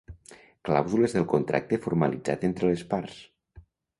Clàusules del contracte formalitzat entre les parts.